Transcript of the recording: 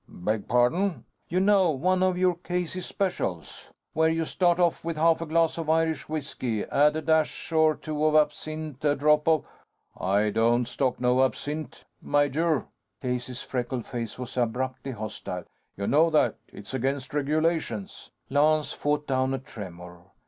"Beg pardon?" "You know one of your Casey Specials. Where you start off with half a glass of Irish whisky, add a dash or two of absinthe, a drop of " "I don't stock no absinthe, major." Casey's freckled face was abruptly hostile. "You know that. It's against regulations." Lance fought down a tremor.